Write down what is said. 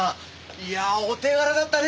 いやあお手柄だったね！